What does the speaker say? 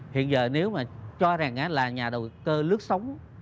hiện giờ nếu mà cho rằng là nhà đầu tư lướt sóng